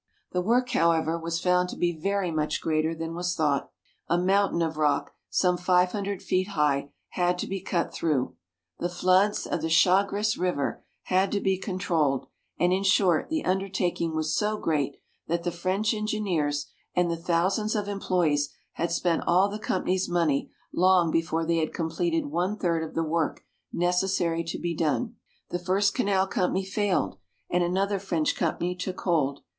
The work, however, was found to be very much greater than was thought. A mountain of rock, some five hundred feet high, had to be cut through. The floods of the Cha'gres river had to be controlled, and in short the un dertaking was so great that the French engineers and the thousands of employees had spent all the company's money long before they had completed one third of the work necessary to be done. The first canal company failed, and another French company took hold.